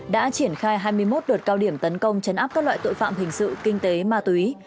đã triển khai hai mươi một đợt cao điểm tấn công chấn áp các loại tội phạm hình sự kinh tế ma túy